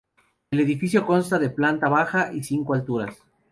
El edificio consta de planta baja y cinco alturas.